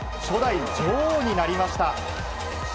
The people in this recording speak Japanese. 初代女王になりました。